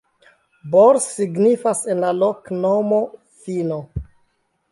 Bor signifas en la loknomo: vino.